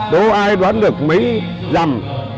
đố ai đoán được mấy dầm